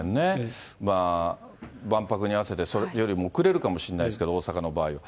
万博に合わせて、それよりも遅れるかもしれないですけど、大阪の場合は。